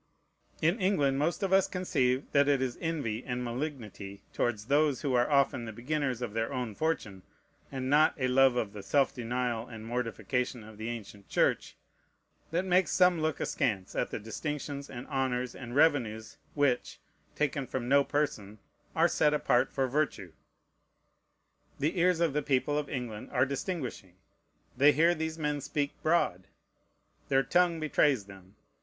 In England most of us conceive that it is envy and malignity towards those who are often the beginners of their own fortune, and not a love of the self denial and mortification of the ancient Church, that makes some look askance at the distinctions and honors and revenues which, taken from no person, are set apart for virtue. The ears of the people of England are distinguishing. They hear these men speak broad. Their tongue betrays them.